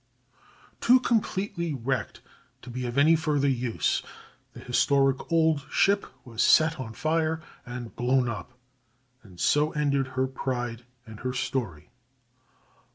'" Too completely wrecked to be of any further use, the historic old ship was set on fire and blown up, and so ended her pride and her story.